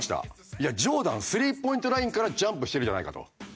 「いやジョーダン３ポイントラインからジャンプしてるじゃないか」と。